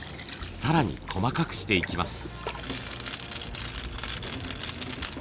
更に細かくしていきます。